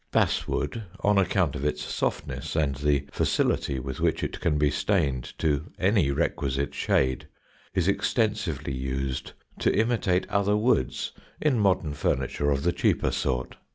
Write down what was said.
Bass wood, on account of its softness and the facility with which it can be stained to any requisite shade, is extensively used to imitate other woods in modern furniture of the cheaper sort.